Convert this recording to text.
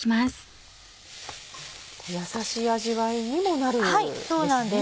やさしい味わいにもなるんですね。